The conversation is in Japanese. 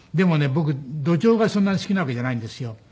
僕どじょうがそんなに好きなわけじゃないんですよ。